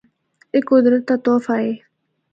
اے قدرت دا تحفہ اے۔